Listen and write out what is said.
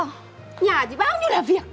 nhà thì bao nhiêu là việc